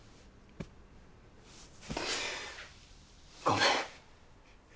ごめん。